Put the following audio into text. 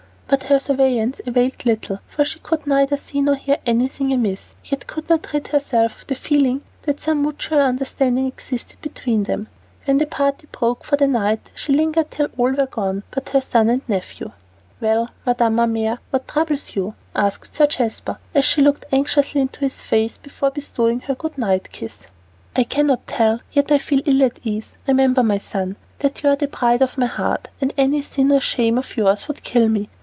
But her surveillance availed little, for she could neither see nor hear anything amiss, yet could not rid herself of the feeling that some mutual understanding existed between them. When the party broke up for the night, she lingered till all were gone but her son and nephew. "Well, Madame Ma Mère, what troubles you?" asked Sir Jasper, as she looked anxiously into his face before bestowing her good night kiss. "I cannot tell, yet I feel ill at ease. Remember, my son, that you are the pride of my heart, and any sin or shame of yours would kill me.